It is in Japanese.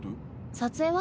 撮影は？